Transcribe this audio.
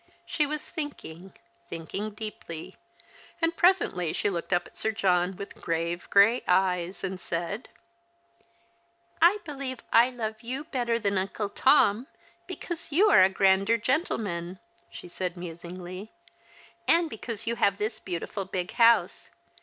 She was thinking — thinking deeply — and presently she looked up at Sir John with grave, grey eyes, and said —" I believe I love you better than Uncle Tom, because you are a grander gentleman," she said musingly, " and because you have this beautiful big house.